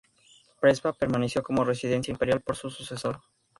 Prespa permaneció como residencia imperial por su sucesor.